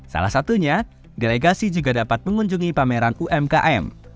salah satunya delegasi juga dapat mengunjungi pameran umkm